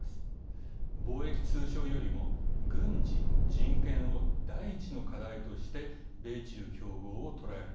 貿易・通商よりも軍事・人権を第一の課題として米中競合を捉える。